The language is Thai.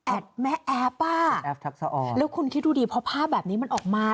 แอดแม่เอิร์ฟอ่ะแล้วคุณคิดดูดีเพราะภาพแบบนี้มันออกมา